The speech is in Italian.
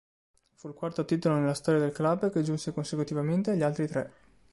Fu il quarto titolo nella storia del club, che giunse consecutivamente agli altri tre.